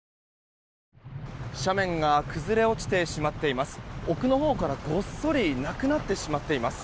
斜面が崩れ落ちてしまっています。